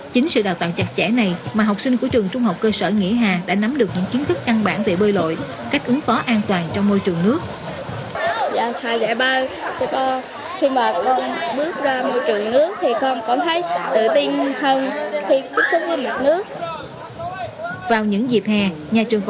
chính sự đào tạo chặt chẽ này mà học sinh của trường trung học cơ sở nghĩa hà đã nắm được những kiến thức căn bản về bơi lội cách ứng phó an toàn trong môi trường nước